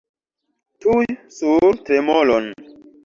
Tuj sur tremolon!